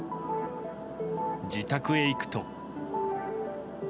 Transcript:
自宅へ行くと。